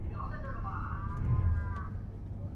规划中的未来也会在这里接轨。